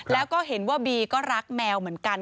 แล้วก็เห็นว่าบีก็รักแมวเหมือนกัน